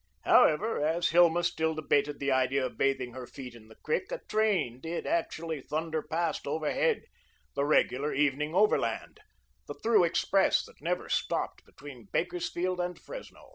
However, as Hilma still debated the idea of bathing her feet in the creek, a train did actually thunder past overhead the regular evening Overland, the through express, that never stopped between Bakersfield and Fresno.